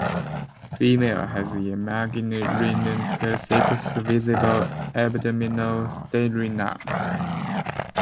Female has emarginate sixth visible abdominal sternum.